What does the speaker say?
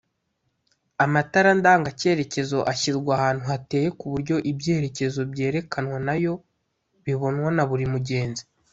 amatara ndanga cyerekezo ashyirwa ahantu hateye kuburyo ibyerekezo byerekanwa nayo bibonwa na buri mugenzi